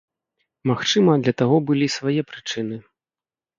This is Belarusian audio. Магчыма, для таго былі свае прычыны.